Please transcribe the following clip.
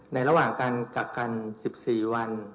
ในระหว่างกักกัน๑๔วัน